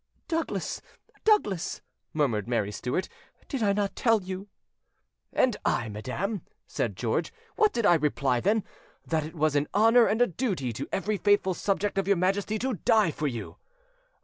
"Douglas! Douglas!" murmured Mary Stuart, "did I not tell you?" "And I, madam," said George, "what did I reply then? That it was an honour and a duty to every faithful subject of your Majesty to die for you."